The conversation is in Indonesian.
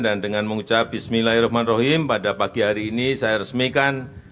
dan dengan mengucap bismillahirrahmanirrahim pada pagi hari ini saya resmikan